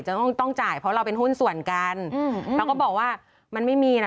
ต้องต้องจ่ายเพราะเราเป็นหุ้นส่วนกันอืมเราก็บอกว่ามันไม่มีนะ